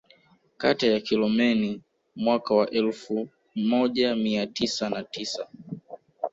Kata ya Kilomeni mwaka wa elfu moja mia tisa na tisa